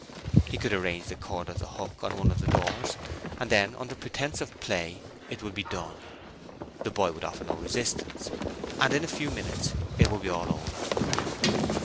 He could arrange the cord on the hook on one of the doors and then under pretence of play, it would be done. The boy would offer no resistance, and in a few minutes it would all be over.